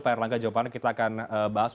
pr langga jawaban kita akan bahas